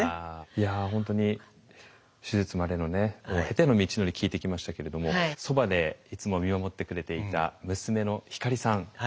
いや本当に手術までのね経ての道のり聞いてきましたけれどもそばでいつも見守ってくれていた娘のひかりさん